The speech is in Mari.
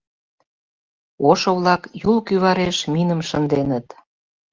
Ошо-влак Юл кӱвареш миным шынденыт.